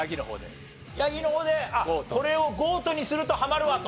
ヤギの方で「あっこれをゴートにするとハマるわ」と。